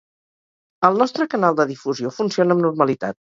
El nostre canal de difusió funciona amb normalitat.